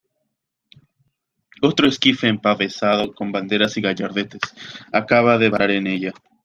otro esquife empavesado con banderas y gallardetes, acababa de varar en ella